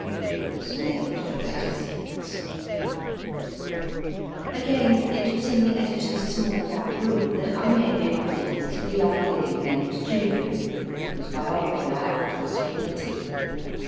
He was made for better things. JULIA 8 MY FIRST BOOK Again, it was in the editor s small back room that I made the acquaintance of a young lady named Julia, whose biography I afterwards related.